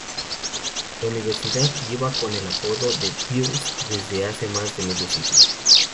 La universidad lleva con el apodo de "Bears" desde hace más de medio siglo.